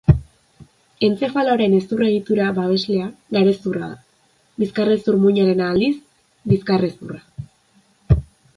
Entzefaloaren hezur-egitura babeslea garezurra da; bizkarrezur-muinarena, aldiz, bizkarrezurra.